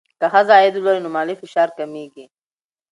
که ښځه عاید ولري، نو مالي فشار کمېږي.